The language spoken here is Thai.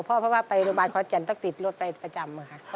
เพราะว่าไปโรงพยาบาลขอนแก่นต้องติดรถไปประจำค่ะ